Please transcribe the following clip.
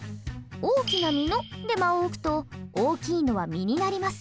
「大きな実の」で間を置くと大きいのは「実」になります。